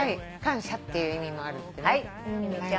「感謝」っていう意味もあるってね。